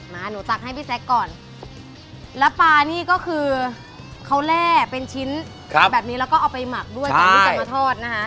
หนูตักให้พี่แจ๊คก่อนแล้วปลานี่ก็คือเขาแร่เป็นชิ้นแบบนี้แล้วก็เอาไปหมักด้วยก่อนที่จะมาทอดนะคะ